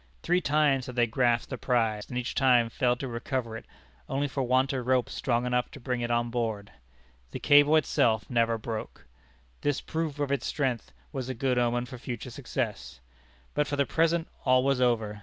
Three times had they grasped the prize, and each time failed to recover it, only for want of ropes strong enough to bring it on board. The cable itself never broke. This proof of its strength was a good omen for future success. But for the present all was over.